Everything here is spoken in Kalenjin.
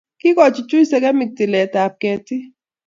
Kokochuchchuch segemik tiletap ketik